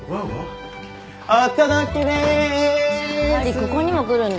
ここにも来るんだ。